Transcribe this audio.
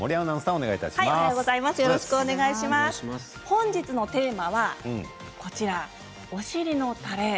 本日のテーマはお尻のたれ。